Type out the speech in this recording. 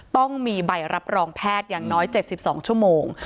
ต้องมีใบรับรองแพทย์อย่างน้อย๗๒ชั่วโมง